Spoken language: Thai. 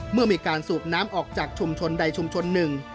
เมื่อมีการสูบน้ำออกจากชุมชนใดชุมชนหนึ่ง